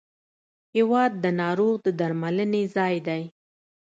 هېواد د ناروغ د درملنې ځای دی.